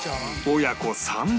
親子３代